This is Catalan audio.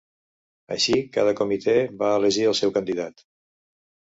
Així cada comitè va elegir al seu candidat.